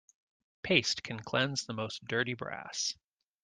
Paste can cleanse the most dirty brass.